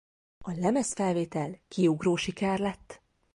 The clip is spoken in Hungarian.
A lemezfelvétel kiugró siker lett.